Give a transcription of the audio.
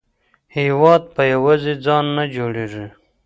هېواد په یوازې ځان نه جوړیږي.